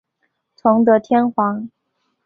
崇德天皇。